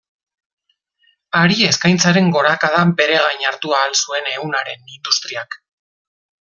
Hari eskaintzaren gorakada bere gain hartu ahal zuen ehunaren industriak.